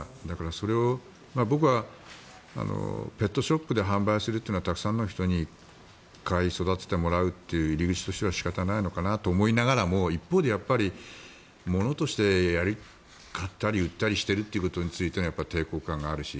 それを僕はペットショップで販売するっていうのはたくさんの人に飼い育ててもらうという入り口としては仕方ないのかなと思いつつ一方で、ものとして買ったり売ったりしてるってことに抵抗感があるし。